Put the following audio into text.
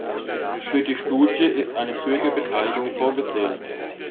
Für die Studie ist eine Bürgerbeteiligung vorgesehen.